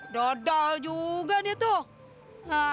dodol juga dia tuh